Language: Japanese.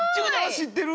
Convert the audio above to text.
知ってる。